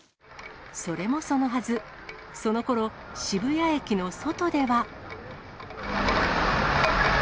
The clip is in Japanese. それもそのはず、そのころ、渋谷駅の外では。